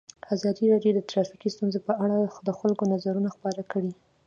ازادي راډیو د ټرافیکي ستونزې په اړه د خلکو نظرونه خپاره کړي.